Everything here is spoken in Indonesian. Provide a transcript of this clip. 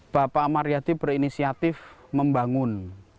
bapak amat riyadi berinisiatif membangun